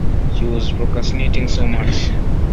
She was procrastinating so much.